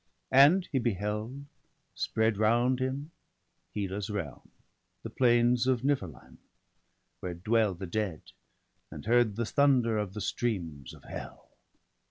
And he beheld spread round him Hela's realm, The plains of Niflheim, where dwell the dead, And heard the thunder of the streams of Hell.